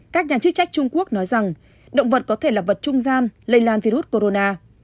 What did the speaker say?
các nhà chức trách trung quốc nói rằng động vật có thể là vật trung gian lây lan virus corona